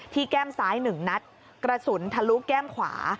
แก้มซ้าย๑นัดกระสุนทะลุแก้มขวา